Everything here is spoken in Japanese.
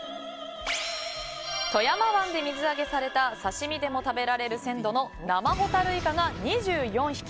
富山湾で水揚げされた刺し身でも食べられる鮮度の生ホタルイカが２４匹。